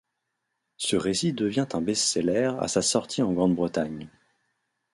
Ce récit devient un best-seller à sa sortie en Grande-Bretagne.